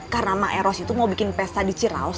karena mak eros itu mau bikin pesta di ciraus